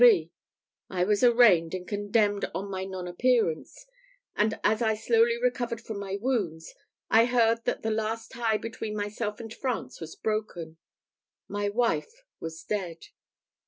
I was arraigned and condemned on my nonappearance; and, as I slowly recovered from my wounds, I heard that the last tie between myself and France was broken my wife was dead.